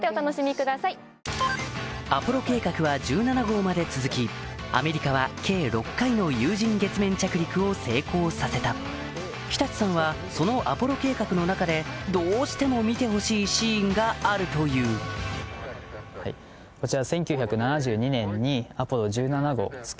アポロ計画は１７号まで続きアメリカは計６回の有人月面着陸を成功させた日達さんはそのアポロ計画の中でどうしても見てほしいシーンがあるというこちら。